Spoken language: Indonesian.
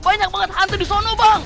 banyak banget hantu disana bang